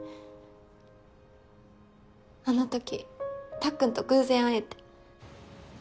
あのときたっくんと偶然会えて。